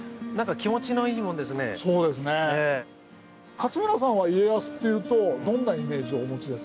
勝村さんは家康っていうとどんなイメージをお持ちですか？